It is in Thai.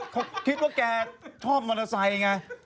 เขาคิดว่าแกชอบมอเตอร์ไซค์ไง